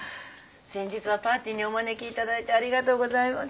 先日はパーティーにお招きいただいてありがとうございます。